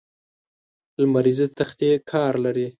لمریزې تختې کار لري.